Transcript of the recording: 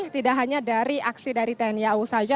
tidak hanya dari aksi dari tni au saja